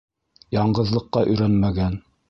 Яңғыҙлыҡҡа өйрәнмәгән.